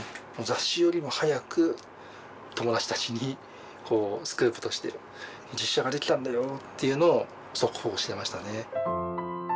雑誌よりも早く友達たちにスクープとして実車が出来たんだよっていうのを速報してましたね。